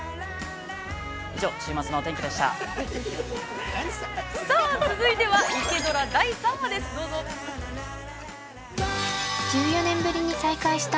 以上、週末のお天気でした。